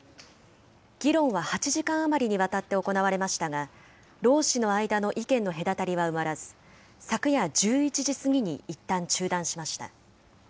議論は８時間余りにわたって行われましたが、労使の間の意見の隔たりは埋まらず、昨夜１１時過ぎにいったん中断しました。